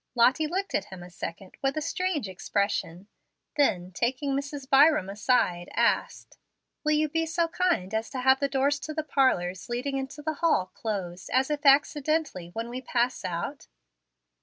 Lottie looked at him a second, with a strange expression, then, taking Mrs. Byram aside, asked, "Will you be so kind as to have the doors of the parlors leading into the hall closed, as if accidentally, when we pass out?"